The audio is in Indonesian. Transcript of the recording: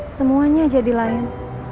semuanya jadi lain